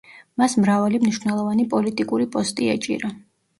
მას მრავალი მნიშვნელოვანი პოლიტიკური პოსტი ეჭირა.